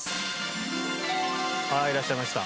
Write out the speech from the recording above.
いらっしゃいました。